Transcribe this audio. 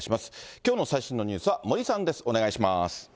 きょうの最新のニュースは森さんです、お願いします。